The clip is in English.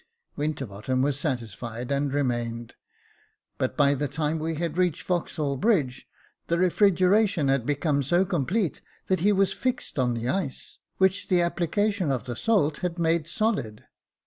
Winterbottom was satisfied, and remained ; but by the time we had reached Vauxhall Bridge, the refrigeration had become so complete that he was fixed on the ice, which the application of the salt had made solid.